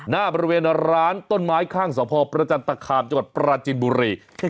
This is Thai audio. หน้าบริเวณร้านต้นไม้ข้างสพประจันตคามจังหวัดปราจินบุรี